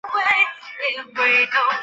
毕业于中共中央党校。